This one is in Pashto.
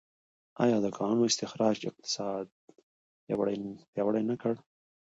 آیا د کانونو استخراج اقتصاد پیاوړی نه کړ؟